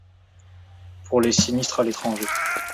Pour les sinistres à l'étranger.